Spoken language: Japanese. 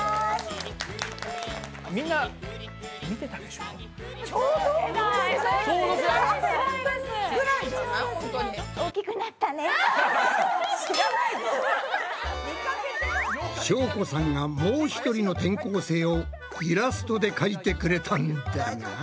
しょうこさんがもう一人の転校生をイラストで描いてくれたんだが。